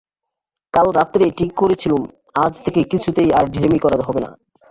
কাল রাত্রেই ঠিক করেছিলুম, আজ থেকে কিছুতেই আর ঢিলেমি করা হবে না।